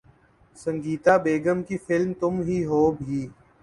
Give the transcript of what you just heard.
سنگیتا بیگم کی فلم ’تم ہی ہو‘ بھی